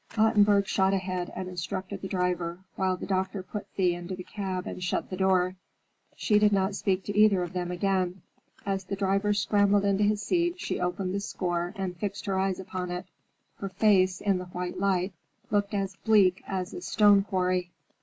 Ottenburg shot ahead and instructed the driver, while the doctor put Thea into the cab and shut the door. She did not speak to either of them again. As the driver scrambled into his seat she opened the score and fixed her eyes upon it. Her face, in the white light, looked as bleak as a stone quarry.